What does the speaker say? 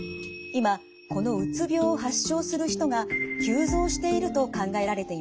今このうつ病を発症する人が急増していると考えられています。